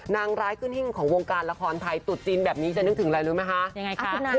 นางร้ายขึ้นหิ้งของวงการละครไทยตุดจีนแบบนี้จะนึกถึงอะไรรู้ไหมคะยังไงคะ